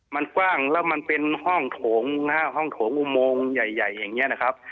มันกว้างแล้วมันเป็นห้องโถงนะฮะห้องโถงอุโมงใหญ่อย่างนี้นะครับ